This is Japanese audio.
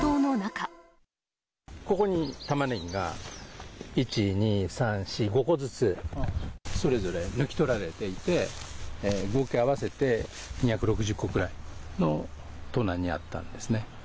ここにタマネギが１、２、３、４、５個ずつそれぞれ抜き取られていて、合計合わせて２６０個くらいの盗難に遭ったんですね。